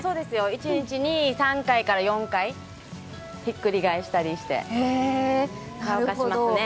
一日に３回から４回ひっくり返したりして乾かしますね。